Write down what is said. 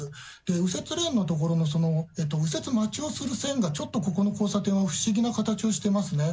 右折レーンの所の、その右折待ちをする線が、ちょっとここの交差点は不思議な形をしてますね。